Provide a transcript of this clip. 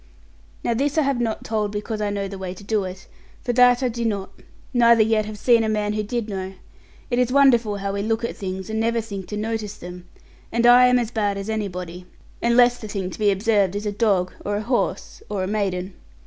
Now this I have not told because I know the way to do it, for that I do not, neither yet have seen a man who did know. It is wonderful how we look at things, and never think to notice them; and I am as bad as anybody, unless the thing to be observed is a dog, or a horse, or a maiden.